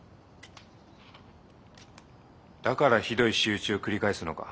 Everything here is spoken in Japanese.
だからひどい仕打ちを繰り返すのか？